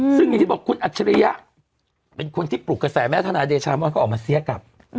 ซึ่งอย่างที่บอกคุณอัจฉริยะเป็นคนที่ปลุกกระแสแม่ทนายเดชามอนก็ออกมาเสียกลับ